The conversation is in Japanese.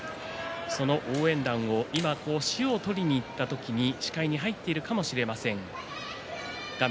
応援団も今、塩を取りにいった時に視界に入っているかもしれません画面